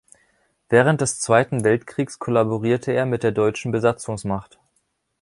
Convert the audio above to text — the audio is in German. Während des Zweiten Weltkriegs kollaborierte er mit der deutschen Besatzungsmacht.